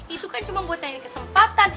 itu kan cuma buat nyari kesempatan